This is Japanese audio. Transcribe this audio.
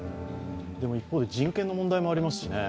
一方で人権の問題もありますしね。